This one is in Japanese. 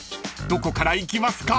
［どこから行きますか？］